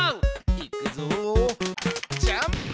いくぞジャンプ！